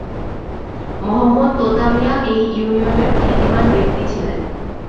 মো: তোতা মিয়া এই ইউনিয়নের খ্যাতিমান ব্যক্তি ছিলেন।